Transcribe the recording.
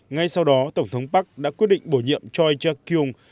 ngay sau đó tổng thống park đã quyết định bổ nhiệm choi jae kyung